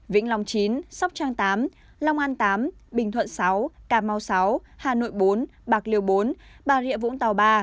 vĩnh long chín sóc trăng tám long an tám bình thuận sáu cà mau sáu hà nội bốn bạc liêu bốn bà rịa vũng tàu ba